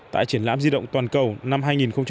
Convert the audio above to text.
tại triển lãm di động toàn cầu năm hai nghìn một mươi bảy